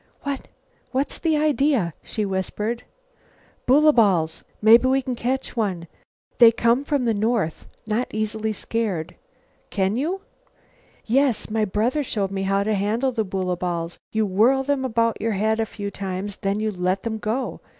"Wha what's the idea?" she whispered. "Boola balls. Maybe we can catch one. They come from the north; not easily scared." "Can you " "Yes, my brother showed me how to handle the boola balls. You whirl them about your head a few times, then you let them go.